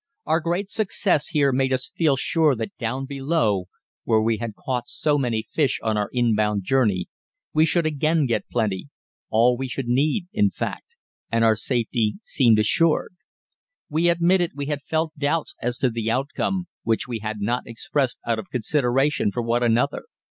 Our great success here made us feel sure that down below, where we had caught so many fish on our inbound journey, we should again get plenty all we should need, in fact and our safety seemed assured. We admitted we had felt doubts as to the outcome, which we had not expressed out of consideration for one another.